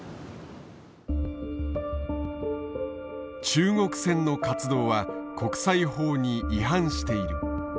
中国船の活動は国際法に違反している。